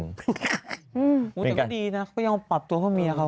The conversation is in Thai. แต่ก็ดีนะเขายังปรับตัวเพื่อเมียเขา